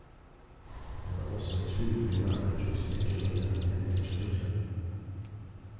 There are also two female angels Angelina and Angelita.